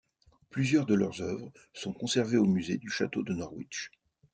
Plusieurs de leurs oeuvres sont conservées au musée du Château de Norwich.